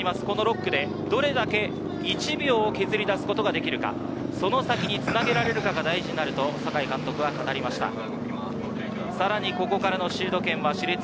この６区でどれだけ１秒を削り出すことができるか、その先につなげられるかが大事になると酒井監督は語りました。